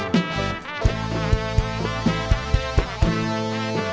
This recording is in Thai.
ดูท่านกลับสุดสุด